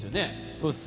そうです。